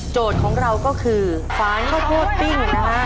โจทย์ของเราก็คือฟ้านก็โทษปิ้งนะฮะ